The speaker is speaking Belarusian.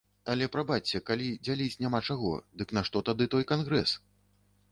Але, прабачце, калі дзяліць няма чаго, дык нашто тады той кангрэс?